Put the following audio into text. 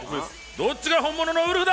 どっちが本物のウルフだ！